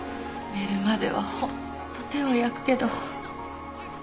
寝るまでは本当手を焼くけど。